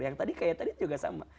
yang tadi kayak tadi juga sama